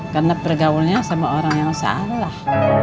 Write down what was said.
karena pergaulannya sama orang yang salah